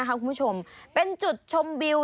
คุณผู้ชมเป็นจุดชมวิว